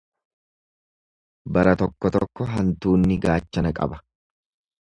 Bara tokko tokko hantuunni gaachana qaba.